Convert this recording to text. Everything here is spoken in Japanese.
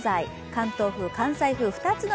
関東風、関西風、２つの